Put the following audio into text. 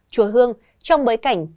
chùa hương trong bới cảnh